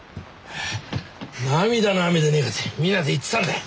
涙の雨でねえかってみんなで言ってたんだよ。